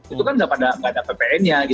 itu kan nggak ada ppn nya